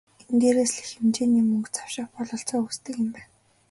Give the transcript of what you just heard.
Энэ дээрээс л их хэмжээний мөнгө завших бололцоо үүсдэг юм байна.